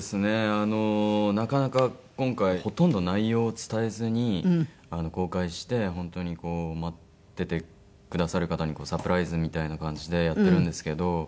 あのなかなか今回ほとんど内容を伝えずに公開して本当にこう待っててくださる方にサプライズみたいな感じでやってるんですけど。